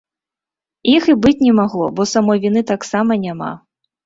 Іх і быць не магло, бо самой віны таксама няма.